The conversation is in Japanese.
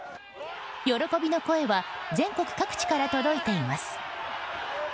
喜びの声は全国各地から届いています。